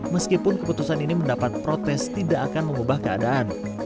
meskipun keputusan ini mendapat protes tidak akan mengubah keadaan